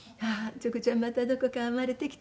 チョコちゃんまたどこか生まれてきて。